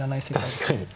確かに。